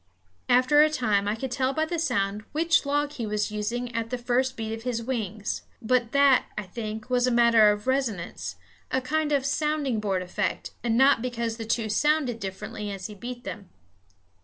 After a time I could tell by the sound which log he was using at the first beat of his wings; but that, I think, was a matter of resonance, a kind of sounding board effect, and not because the two sounded differently as he beat them.